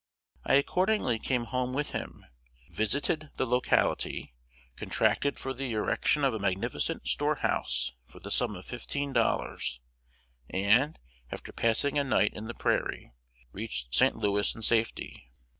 I accordingly came home with him, visited the locality, contracted for the erection of a magnificent storehouse for the sum of fifteen dollars; and, after passing a night in the prairie, reached St. Louis in safety.